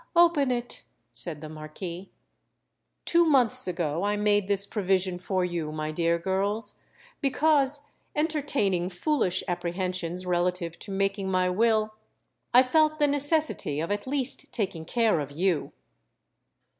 "Open it," said the Marquis. "Two months ago I made this provision for you, my dear girls—because, entertaining foolish apprehensions relative to making my will, I felt the necessity of at least taking care of you."